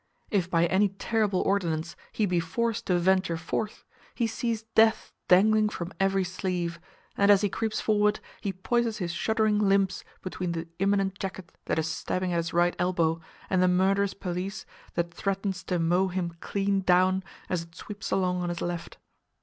If by any terrible ordinance he be forced to venture forth, he sees death dangling from every sleeve, and as he creeps forward, he poises his shuddering limbs between the imminent jacket that is stabbing at his right elbow and the murderous pelisse that threatens to mow him clean down as it sweeps along on his left.